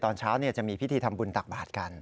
ตอนเช้าจะมีพิธีทำบุญตักบาทกัน